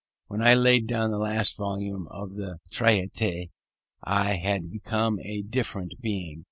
When I laid down the last volume of the Traité, I had become a different being.